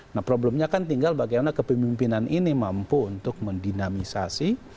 nah problemnya kan tinggal bagaimana kepemimpinan ini mampu untuk mendinamisasi